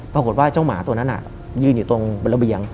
ปรากฏว่าเจ้าหมาตัวนั้นยืนอยู่ตรงระเบียง